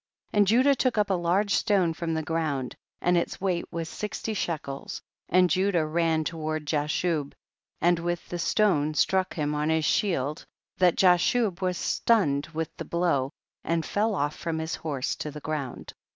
32. And Judah took up a large stone from the ground, and its weight was sixty shekels, and Judah ran to ward Jashub, and with the stone struck him on his shield, that Jashub was stunned with the blow, and fell off from his horse to the ground.